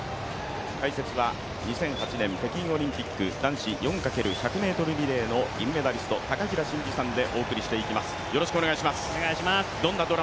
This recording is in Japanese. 解説は２００８年北京オリンピック、男子４ｘ１００ｍリレーの銀メダリスト、高平慎士さんでお送りしていきます。